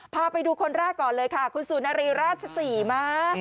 พาไปดูคนร่าก่อนเลยค่ะซุนารีราชสี่มา